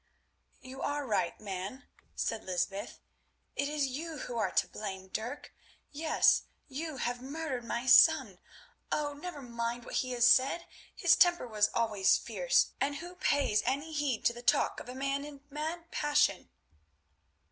"You are right, man," said Lysbeth, "it is you who are to blame, Dirk; yes, you have murdered my son. Oh! never mind what he said, his temper was always fierce, and who pays any heed to the talk of a man in a mad passion?"